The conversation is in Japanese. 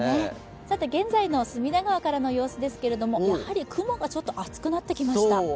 現在の隅田川からの様子ですけれども、やはり雲がちょっと厚くなってきました。